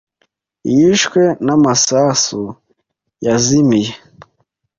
yishwe n'amasasu yazimiye.